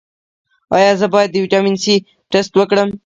ایا زه باید د ویټامین سي ټسټ وکړم؟